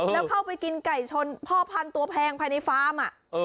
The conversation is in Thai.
แล้วเข้าไปกินไก่ชนพ่อพันธุ์ตัวแพงภายในฟาร์ม